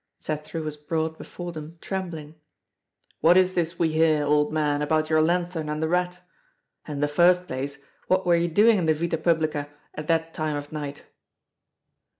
Cethru was brought before them trembling. "What is this we hear, old man, about your lanthorn and the rat? And in the first place, what were you doing in the Vita Publica at that time of night?"